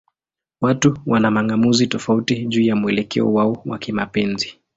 Watu wana mang'amuzi tofauti juu ya mwelekeo wao wa kimapenzi.